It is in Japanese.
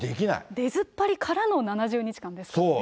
出ずっぱりからの７０日間ですからね。